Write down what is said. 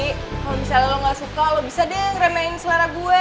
kalau misalnya lo gak suka lo bisa deh ngeremehin suara gue